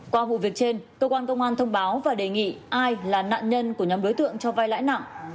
qua vụ việc trên cơ quan công an thông báo và đề nghị ai là nạn nhân của nhóm đối tượng cho vai lãi nặng